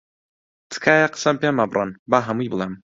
تکایە قسەم پێ مەبڕن، با هەمووی بڵێم.